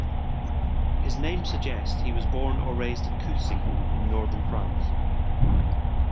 His name suggests he was born or raised in Coucy in Northern France.